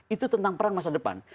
itu tentang peran masa depan